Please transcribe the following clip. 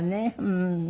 うん。